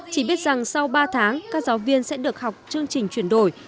chỉ biết rằng sau ba tháng các giáo viên sẽ được học chương trình chuyển đổi